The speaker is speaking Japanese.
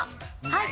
はい。